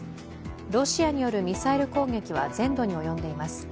ロシアによるミサイル攻撃は全土に及んでいます。